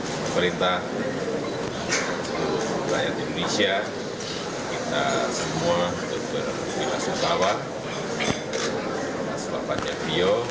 kepala perintah seluruh kelayat indonesia kita semua berpikir bela sungkawa atas wafatnya mio